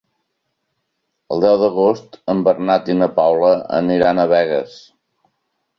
El deu d'agost en Bernat i na Paula aniran a Begues.